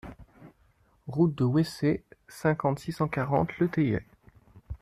Route de Houessey, cinquante, six cent quarante Le Teilleul